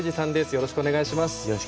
よろしくお願いします。